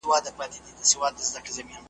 د مرګ سېل یې په غېږ کي دی باران په باور نه دی .